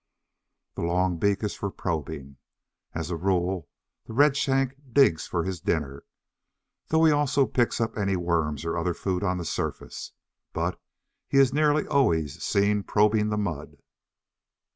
The long beak is for probing. As a rule the Redshank digs for his dinner, though he also picks up any worms or other food on the surface; but he is nearly always seen probing the mud.